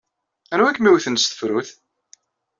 Anwa ay kem-iwten s tefrut?